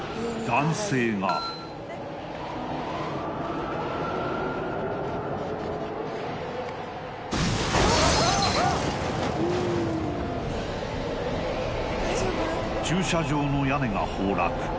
男性が駐車場の屋根が崩落